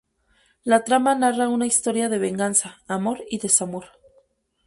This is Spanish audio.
La trama narra una historia de venganza, amor y desamor.